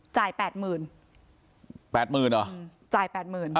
จ่ายแปดหมื่นแปดหมื่นอ่ะอืมจ่ายแปดหมื่นอ่า